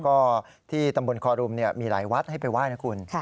ก็ที่ตำบลคอรุมมีหลายวัดให้ไปไหว้นะคุณ